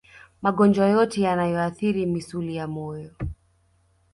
Magonjwa yote yanayoathiri misuli ya moyo